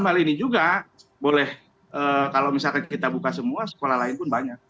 hal ini juga boleh kalau misalkan kita buka semua sekolah lain pun banyak